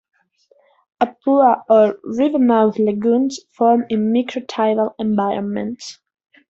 Hapua or river-mouth lagoons form in micro-tidal environments.